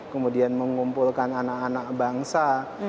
kemudian mengumpulkan anak anak bangsa